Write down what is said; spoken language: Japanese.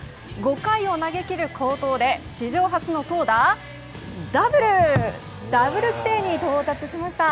５回を投げ切る好投で史上初の投打ダブル規定に到達しました。